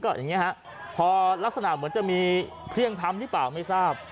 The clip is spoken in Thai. อย่างนี้ฮะพอลักษณะเหมือนจะมีเพลี่ยงพร้ำหรือเปล่าไม่ทราบ